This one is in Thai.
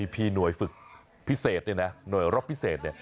พี่หน่วยฝึกพิเศษเนี่ยนะหน่วยรบพิเศษเนี่ย